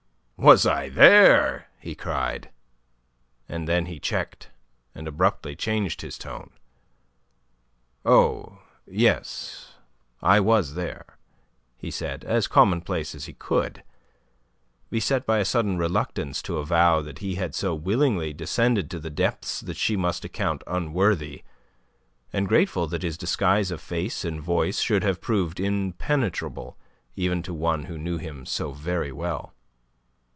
"Was I there!" he cried. Then he checked, and abruptly changed his tone. "Oh, yes, I was there," he said, as commonplace as he could, beset by a sudden reluctance to avow that he had so willingly descended to depths that she must account unworthy, and grateful that his disguise of face and voice should have proved impenetrable even to one who knew him so very well.